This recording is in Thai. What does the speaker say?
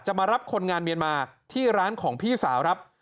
มารับคนงานเมียนมาที่ร้านของพี่สาวครับ